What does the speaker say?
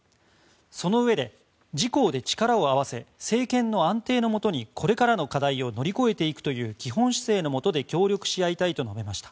そのうえで、自公で力を合わせ政権の安定のもとにこれからの課題を乗り越えていくという基本姿勢のもとで協力し合いたいと述べました。